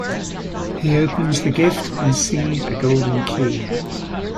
He opens the gift and sees a golden key.